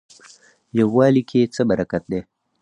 یووالي کې څه برکت دی؟